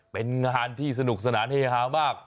เป็นงานที่สนุกสนานเฮฮามาก